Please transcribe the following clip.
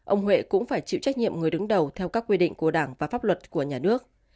ông huệ cũng phải chịu trách nhiệm người đứng đầu theo các quy định của đảng và pháp luật của nhà nước